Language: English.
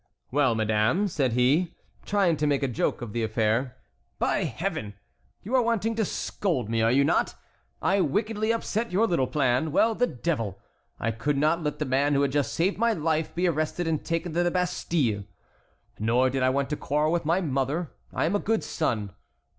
"Well, madame," said he, trying to make a joke of the affair. "By Heaven! you are waiting to scold me, are you not? I wickedly upset your little plan. Well, the devil! I could not let the man who had just saved my life be arrested and taken to the Bastille. Nor did I want to quarrel with my mother. I am a good son.